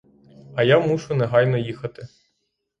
А я мушу негайно їхати.